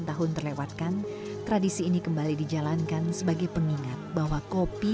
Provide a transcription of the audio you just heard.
tahun terlewatkan tradisi ini kembali dijalankan sebagai pengingat bahwa kopi